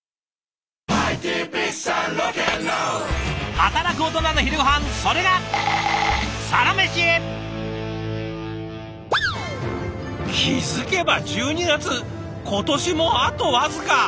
働くオトナの昼ごはんそれが気付けば１２月今年もあと僅か！